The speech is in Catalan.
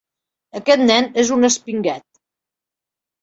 Aquest nen és un espinguet.